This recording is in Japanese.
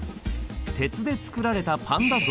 鉄で作られたパンダ像。